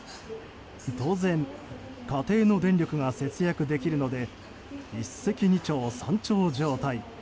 当然、家庭の電力が節約できるので一石二鳥三鳥状態。